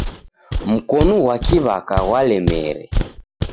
Mkonu ghwa kiw'aka ghwalemere.